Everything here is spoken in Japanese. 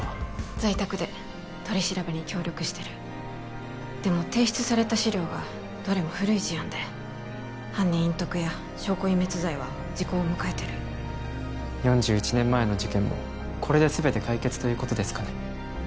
在宅で取り調べに協力してるでも提出された資料がどれも古い事案で犯人隠匿や証拠隠滅罪は時効を迎えてる４１年前の事件もこれで全て解決ということですかね？